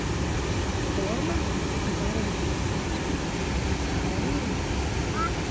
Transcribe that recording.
Domā, ka varam viņu saistīt ar Kelleru?